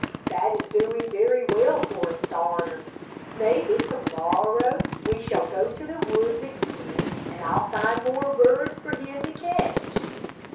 That is doing very well for a starter. Maybe to morrow we shall go to the woods again, and I'll find more birds for him to catch."